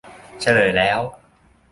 เฉลยแล้ว